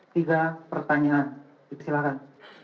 tiga pertanyaan silahkan